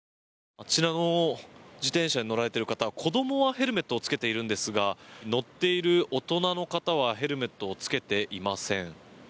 あちらの自転車に乗られている方子どもはヘルメットを着けているんですが乗っている大人の方はヘルメットを着けていません。